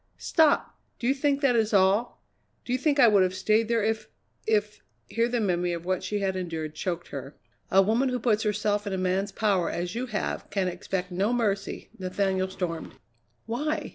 "Stop! Do you think that is all? Do you think I would have stayed there if if " Here the memory of what she had endured choked her. "A woman who puts herself in a man's power as you have can expect no mercy." Nathaniel stormed. "Why?"